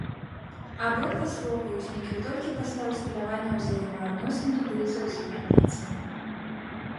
Абодва словы ўзніклі толькі пасля ўсталявання ўзаемаадносін тубыльцаў з еўрапейцамі.